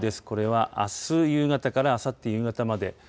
これはあす夕方からあさって夕方まで。